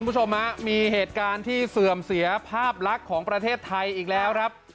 คุณผู้ชมฮะมีเหตุการณ์ที่เสื่อมเสียภาพลักษณ์ของประเทศไทยอีกแล้วครับ